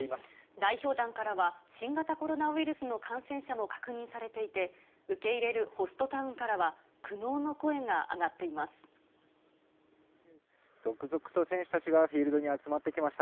代表団からは、新型コロナウイルスの感染者も確認されていて、受け入れるホストタウンからは、苦悩の声が上がっています。